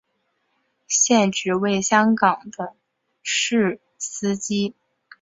现职为香港的士司机。